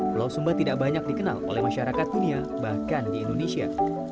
pulau sumba tidak banyak dikenal oleh masyarakat dunia bahkan di indonesia